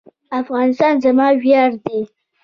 افغانستان زما ویاړ دی؟